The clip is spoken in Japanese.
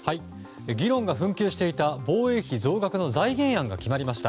議論が紛糾した防衛費増額の財源案が決まりました。